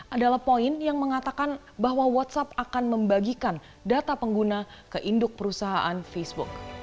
adalah poin yang mengatakan bahwa whatsapp akan membagikan data pengguna ke induk perusahaan facebook